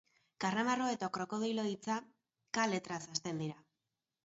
Karramarro eta krokodilo hitza ka letraz hasten dira.